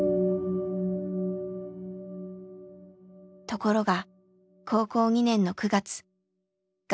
ところが高校２年の９月がんが再発。